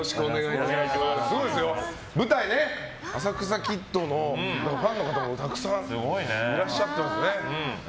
舞台「浅草キッド」のファンの方がたくさんいらっしゃってますね。